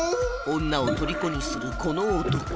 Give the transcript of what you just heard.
女をとりこにするこの男